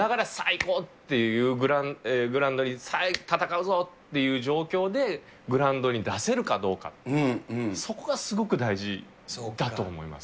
こうっていうグラウンドに、さあ戦うぞっていう状況でグラウンドに出せるかどうかって、そこがすごく大事だと思います。